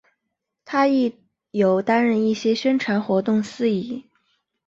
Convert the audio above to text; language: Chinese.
她亦有担任一些宣传活动司仪。